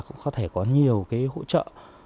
có thể có nhiều hỗ trợ